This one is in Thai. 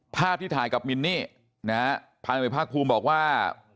ภาพที่ถ่ายกับมินนี่นะฮะพันเอกภาคภูมิบอกว่า